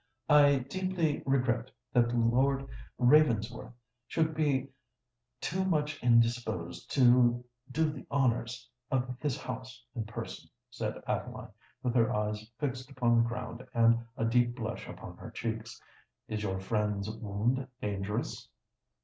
"I deeply regret that Lord Ravensworth should be too much indisposed to do the honours of his house in person," said Adeline, with her eyes fixed upon the ground, and a deep blush upon her cheeks. "Is your friend's wound dangerous?"